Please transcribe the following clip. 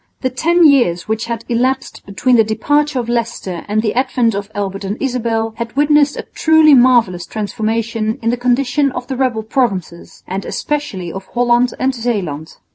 The ten years which had elapsed between the departure of Leicester and the advent of Albert and Isabel had witnessed a truly marvellous transformation in the condition of the rebel provinces, and especially of Holland and Zeeland.